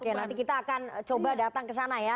oke nanti kita akan coba datang ke sana ya